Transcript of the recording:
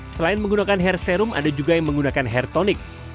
selain menggunakan hair serum ada juga yang menggunakan hair tonic